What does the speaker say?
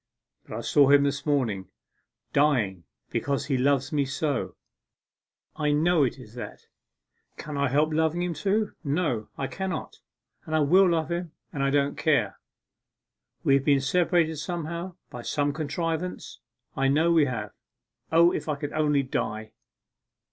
But I saw him this morning dying because he loves me so I know it is that! Can I help loving him too? No, I cannot, and I will love him, and I don't care! We have been separated somehow by some contrivance I know we have. O, if I could only die!